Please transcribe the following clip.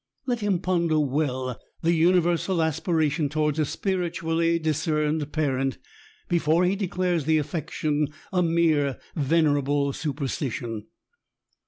Let him ponder well the universal aspiration towards a spiritually discerned parent^ before he declares the affection a mere venerable superstition.